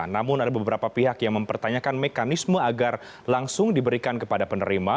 namun ada beberapa pihak yang mempertanyakan mekanisme agar langsung diberikan kepada penerima